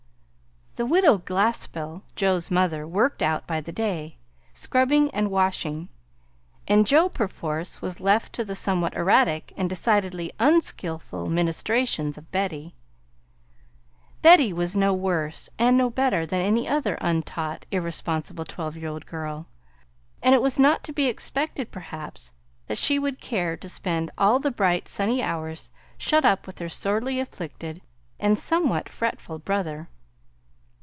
The Widow Glaspell, Joe's mother, worked out by the day, scrubbing and washing; and Joe, perforce, was left to the somewhat erratic and decidedly unskillful ministrations of Betty. Betty was no worse, and no better, than any other untaught, irresponsible twelve year old girl, and it was not to be expected, perhaps, that she would care to spend all the bright sunny hours shut up with her sorely afflicted and somewhat fretful brother.